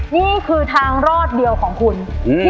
นี่คือทางรอดเดียวของคุณ